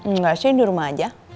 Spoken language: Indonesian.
nggak sih di rumah aja